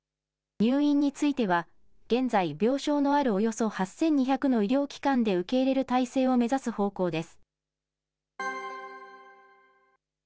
入院については、現在、病床のあるおよそ８２００の医療機関で受け入れる体制を目指す方向です。